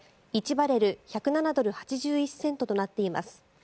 １バレル１０７ドル８１セントとなっています。